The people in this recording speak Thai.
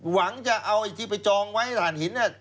หวังจะเอาไอ้ที่ไปจองไว้ฐานหิน